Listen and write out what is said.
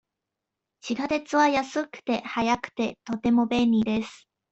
地下鉄は安くて、早くて、とても便利です。